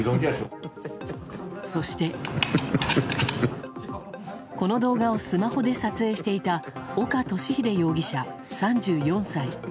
そしてこの動画をスマホで撮影していた岡敏秀容疑者、３４歳。